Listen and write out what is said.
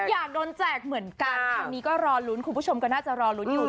อยากโดนแจกเหมือนกันคราวนี้ก็รอลุ้นคุณผู้ชมก็น่าจะรอลุ้นอยู่